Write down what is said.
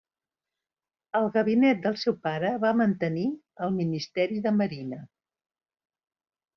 Al gabinet del seu pare va mantenir el ministeri de Marina.